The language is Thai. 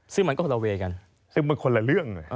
ซึ่งมันคนละเรื่อง